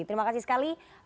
terima kasih sekali